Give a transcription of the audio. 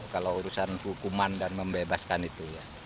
kalau urusan hukuman dan membebaskan itu